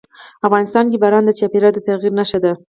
افغانستان کې باران د چاپېریال د تغیر نښه ده.